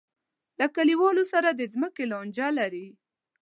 له کلیوالو سره د ځمکې لانجه لري.